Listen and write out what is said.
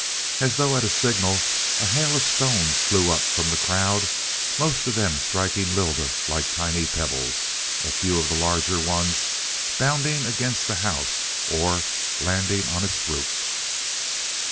As though at a signal a hail of stones flew up from the crowd, most of them striking Lylda like tiny pebbles, a few of the larger ones bounding against the house, or landing on its roof.